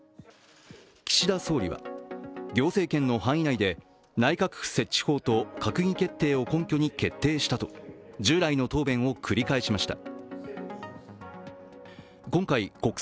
岸田総理は、行政権の範囲内で内閣府設置法と閣議決定を根拠に決定したと従来の答弁を繰り返しました。